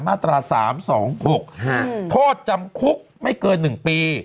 มาตรา๓๒๖โทษจำคุกไม่เกิน๑ปี